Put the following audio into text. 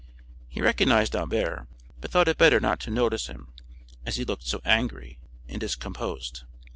He recognized Albert, but thought it better not to notice him, as he looked so angry and discomposed.